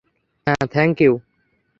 হ্যাঁ, thank you.